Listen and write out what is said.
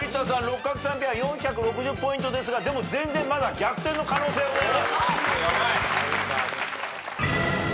六角さんペア４６０ポイントですがでも全然まだ逆転の可能性ございます。